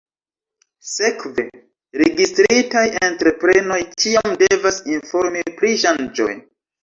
Sekve, registritaj entreprenoj ĉiam devas informi pri ŝanĝoj.